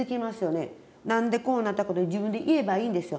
なんでこうなったかと自分で言えばいいんですよ。